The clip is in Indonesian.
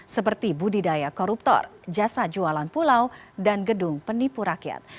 seperti budidaya koruptor jasa jualan pulau dan gedung penipu rakyat